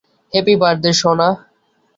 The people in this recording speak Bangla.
হ্যাপি বার্থডে, সোনা!